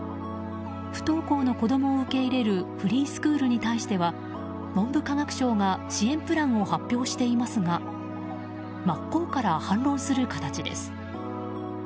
不登校の子供を受け入れるフリースクールに対しては文部科学省が支援プランを発表していますが真っ向から反論する形です。